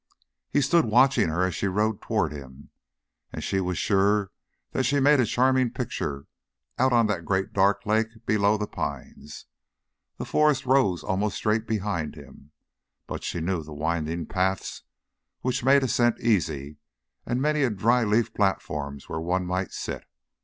He stood watching her as she rowed toward him, and she was sure that she made a charming picture out on that great dark lake below the pines. The forest rose almost straight behind him, but she knew the winding paths which made ascent easy, and many a dry leafy platform where one might sit.